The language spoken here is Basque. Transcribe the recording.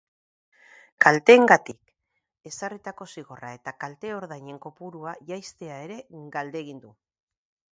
Kalteengatik ezarritako zigorra eta kalte-ordainen kopurua jaistea ere galdegin du.